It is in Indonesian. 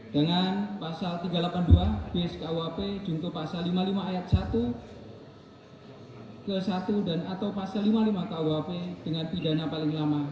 dengan pasal tiga ratus delapan puluh dua b skuap junto pasal lima puluh lima ayat satu ke satu dan atau pasal lima puluh lima kuhp dengan pidana paling lama